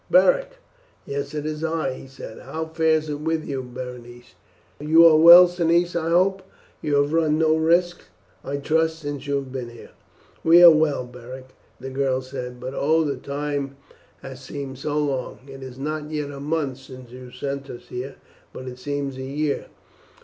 "Beric?" "Yes, it is I," he said. "How fares it with you, Berenice? You are well, Cneius, I hope? You have run no risks, I trust, since you have been here?" "We are well, Beric," the girl said; "but oh the time has seemed so long! It is not yet a month since you sent us here, but it seems a year.